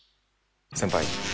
先輩。